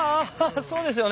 そうですよね！